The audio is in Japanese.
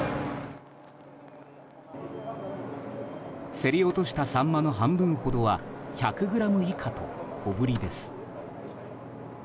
競り落としたサンマの半分ほどは１００ｇ以下と小ぶりです。